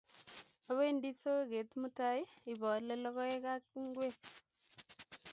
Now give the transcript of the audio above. Awendi soget mutai ipaale logoek ak ingwek